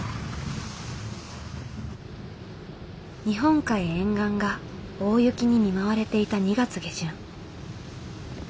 日本海沿岸が大雪に見舞われていた２月下旬。